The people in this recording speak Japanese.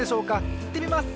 いってみます！